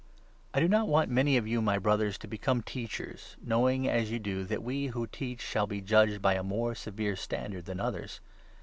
On I do not want many of you, my Brothers, to i the control become teachers, knowing, as you do, that we Ton*1*!*, who teach shall be judged by a more severe standard than others.